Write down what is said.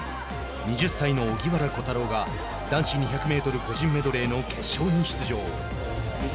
２０歳の荻原虎太郎が男子２００メートル個人メドレーの決勝に出場。